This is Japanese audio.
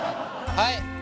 はい。